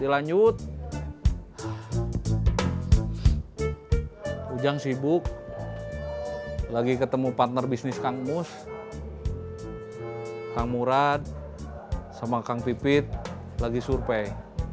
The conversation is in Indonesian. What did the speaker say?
lanjut ujang sibuk lagi ketemu partner bisnis kang mus kang murad sama kang pipit lagi survei